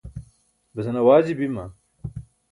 besan awaaji bima?